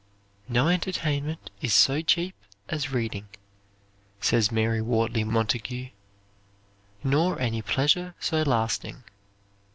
"No entertainment is so cheap as reading," says Mary Wortley Montague; "nor any pleasure so lasting."